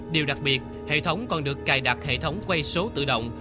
điều đặc biệt hệ thống còn được cài đặt hệ thống quay số tự động